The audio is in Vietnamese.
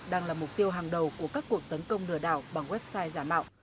đang là mục tiêu hàng đầu của các cuộc tấn công lừa đảo bằng website giả mạo